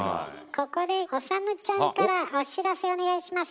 ここで理ちゃんからお知らせお願いします。